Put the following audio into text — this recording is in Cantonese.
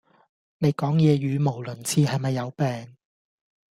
你講野語無倫次係咪有病